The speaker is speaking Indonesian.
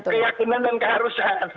keyakinan dan keharusan